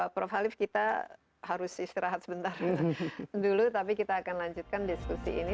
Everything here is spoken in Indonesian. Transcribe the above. prof halif kita harus istirahat sebentar dulu tapi kita akan lanjutkan diskusi ini